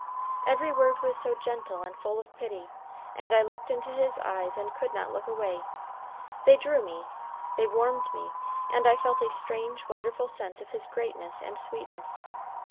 Every word was so gentle and full of pity, and I looked into his eyes and could not look away; they drew me, they warmed me, and I felt a strange, wonderful sense of his greatness and sweetness.